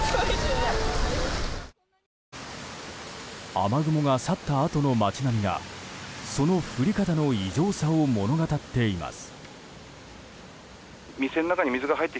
雨雲が去ったあとの街並みがその降り方の異常さを物語っています。